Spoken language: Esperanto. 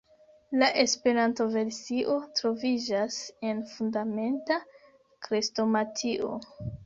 La Esperanto-versio troviĝas en Fundamenta Krestomatio.